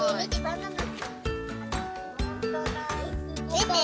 見て。